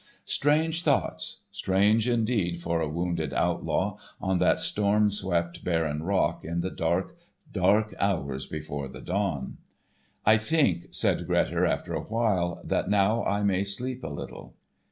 Strange thoughts; strange, indeed, for a wounded outlaw, on that storm swept, barren rock in the dark, dark hours before the dawn. "I think," said Grettir after a while, "that now I may sleep a little."